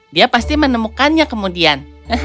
dia pasti menemukannya kemudian